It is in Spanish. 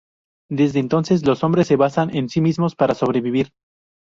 Desde entonces, los hombres se basan en sí mismos para sobrevivir.